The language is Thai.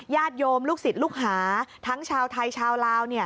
ญาติโยมลูกศิษย์ลูกหาทั้งชาวไทยชาวลาว